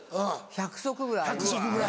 １００足ぐらい？